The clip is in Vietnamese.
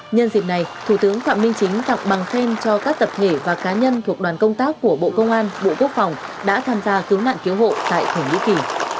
nhân dịp này thủ tướng phạm minh chính tặng bằng khen cho các tập thể và cá nhân thuộc đoàn công tác của bộ công an bộ quốc phòng đã tham gia cứu nạn cứu hộ tại thổ nhĩ kỳ